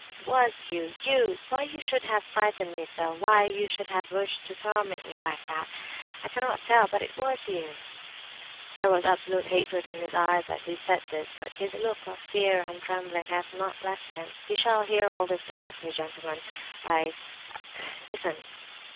It was you, you! Why you should have frightened me so, why you should have wished to torment me like that, I cannot tell—but you it was." There was absolute hatred in his eyes as he said this, but his look of fear and his trembling had not left him. "You shall hear all this directly, gentlemen. I—I—listen!"